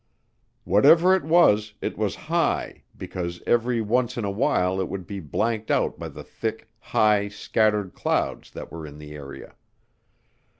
Whatever it was, it was high because every once in a while it would be blanked out by the thick, high, scattered clouds that were in the area.